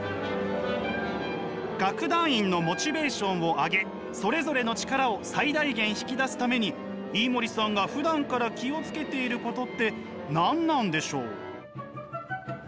楽団員のモチベーションを上げそれぞれの力を最大限引き出すために飯森さんがふだんから気を付けていることって何なんでしょう？